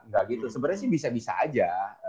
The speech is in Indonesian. gak gitu sebenernya sih bisa bisa aja